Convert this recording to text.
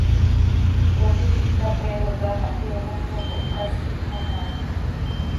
Trooqui tintica Pedro quih haa xah hpyoomoz xo cohptás, ihpmonaaaij.